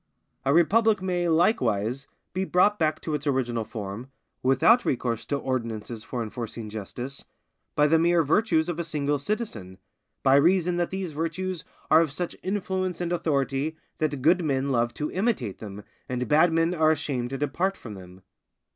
A republic may, likewise, be brought back to its original form, without recourse to ordinances for enforcing justice, by the mere virtues of a single citizen, by reason that these virtues are of such influence and authority that good men love to imitate them, and bad men are ashamed to depart from them.